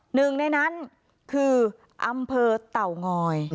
หนึ่งในนั้นคืออำเภอเต่างอย